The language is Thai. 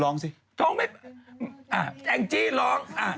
ท้องไหมอ่าแอ๊งจี้ร้อง